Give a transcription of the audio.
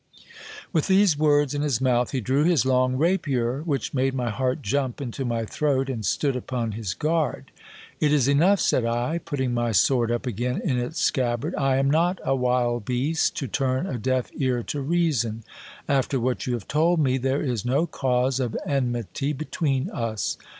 With these words in his mouth he drew his long rapier, which made my heart jump into my throat, and stood upon his guard. It is enough, said I, putting my sword up again in its scabbard, I am not a wild beast, to turn a deaf ear to reason : after what you have told me, there is no cause of enmity between us.